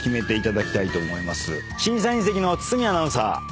審査員席の堤アナウンサー。